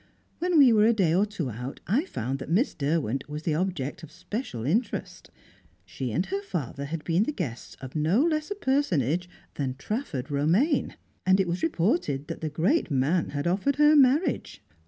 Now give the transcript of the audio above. When we were a day or two out I found that Miss Derwent was the object of special interest; she and her father had been the guests of no less a personage than Trafford Romaine, and it was reported that the great man had offered her marriage!